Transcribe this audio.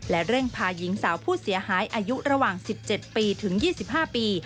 และเร่งพาหญิงสาวผู้เสียหายอายุระหว่าง๑๗ปีถึง๒๕ปี